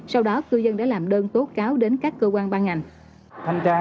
sau đó cư dân đã làm đơn tố cáo đến các cơ quan ban ngành